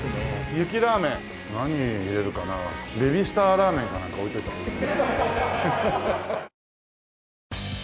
何入れるかなベビースターラーメンかなんか置いといた方がいい。